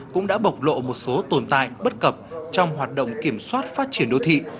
cũng đã bộc lộ một số tồn tại bất cập trong hoạt động kiểm soát phát triển đô thị